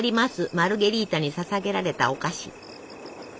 マルゲリータにささげられたお菓子。